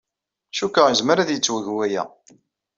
Cikkeɣ yezmer ad yettweg waya.